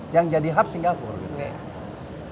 yang jadi hak singapura